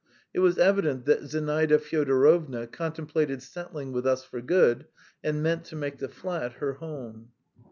It was evident that Zinaida Fyodorovna contemplated settling with us for good, and meant to make the flat her home.